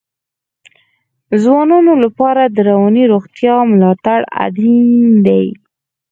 د ځوانانو لپاره د رواني روغتیا ملاتړ اړین دی.